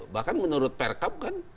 bahkan menurut per kap kan